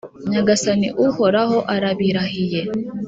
Nyagasani Uhoraho arabirahiye,